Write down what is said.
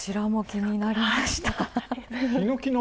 気になりました。